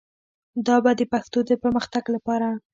دا به د پښتو د پرمختګ لپاره